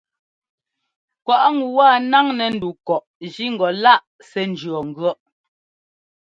Kwaꞌ ŋu wa ńnáŋnɛ́ ndu kɔꞌ jí ŋgɔ láꞌ sɛ́ ńjʉɔ́ŋgʉ̈ɔ́ꞌ.